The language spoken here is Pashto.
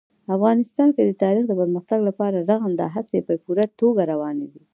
افغانستان کې د تاریخ د پرمختګ لپاره رغنده هڅې په پوره توګه روانې دي.